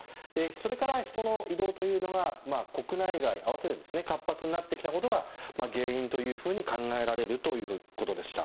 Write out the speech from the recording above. それから人の移動というのが国内外合わせて活発になってきたことが原因というふうに考えられるということでした。